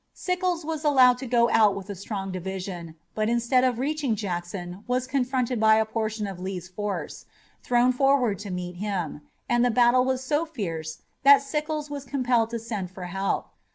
Sickles was allowed to go out with a strong division, but instead of reaching Jackson he was confronted by a portion of Lee's force, thrown forward to meet him, and the battle was so fierce that Sickles was compelled to send for help.